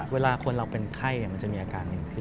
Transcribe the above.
เวลาคนเราเป็นไข้มันจะมีอาการดีขึ้น